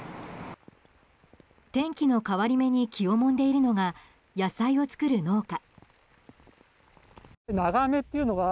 天気の変わり目に気をもんでいるのが野菜を作る農家。